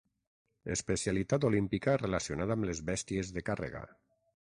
Especialitat olímpica relacionada amb les bèsties de càrrega.